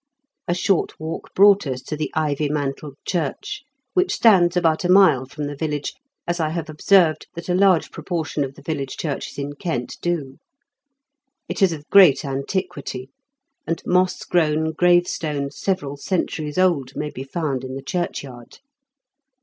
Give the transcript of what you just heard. A short walk brought us to the ivy mantled church, which stands about a mile from the village, as I have observed that a large proportion of the village churches in Kent do. It is of great antiquity, and moss grown gravestones several centuries old may be found in the churchyard.